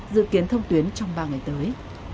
dự kiến thông tuyến trong ba ngày tới